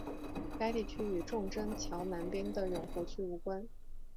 该地区与中正桥南边的永和区无关。